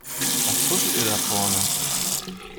Was tuschelt ihr da vorne?